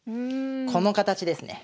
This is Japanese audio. この形ですね。